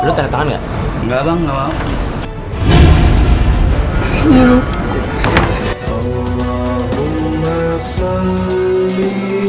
harganya gak sesuai